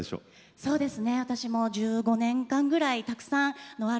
そうですね。